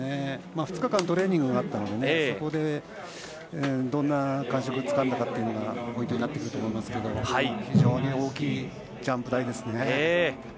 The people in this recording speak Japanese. ２日間のトレーニングがあったのでそこで、どんな感触をつかんだかというのがポイントになってくると思うんですけど非常に大きいジャンプ台ですね。